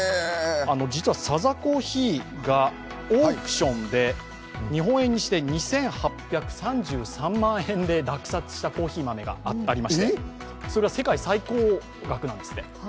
実はサザコーヒーがオークションで日本円にして２８３３万円で落札したコーヒー豆がありましてそれが世界最高額なんですって。